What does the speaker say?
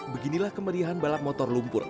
beginilah kemeriahan balap motor lumpur